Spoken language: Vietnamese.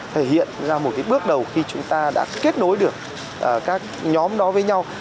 thể hiện ra một bước đầu khi chúng ta đã kết nối được các nhóm đó với nhau